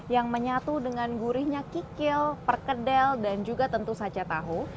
yang menyatu dengan gurihnya kikil perkedel dan juga tentu saja tahu